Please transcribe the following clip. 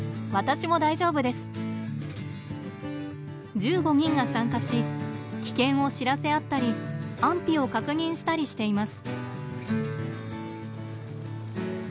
１５人が参加し危険を知らせ合ったり安否を確認したりしています。